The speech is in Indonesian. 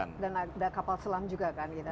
dan ada kapal selam juga kan